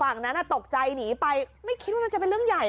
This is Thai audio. ฝั่งนั้นน่ะตกใจหนีไปไม่คิดว่าน่าจะเป็นเรื่องใหญ่